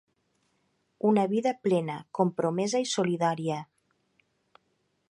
Una vida plena, compromesa i solidària.